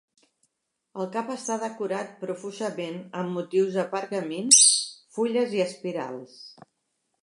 El cap està decorat profusament amb motius de pergamins, fulles i espirals.